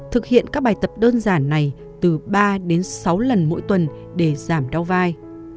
thực hiện các bài tập đơn giản này từ ba đến sáu lần mỗi tuần để giảm đau vai